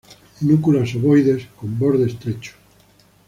Núculas ovoides, con borde estrecho.